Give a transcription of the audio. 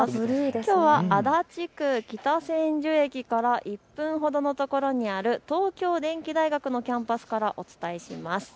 きょうは足立区北千住駅から１分ほどのところにある東京電機大学のキャンパスからお伝えします。